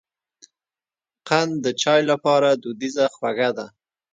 قند د چای لپاره دودیزه خوږه ده.